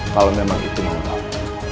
kalau memang itu yang lo mau